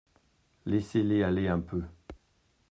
Laissez-les aller un peu.